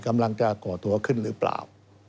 กำลังจะก่อตัวขึ้นหรือเปล่า